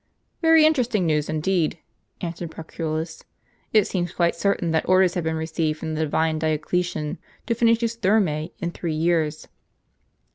"Very interesting news indeed," answered Proculus. "It seems quite certain that orders have been received from the divine Dioclesian, to finish his Thermae in three years."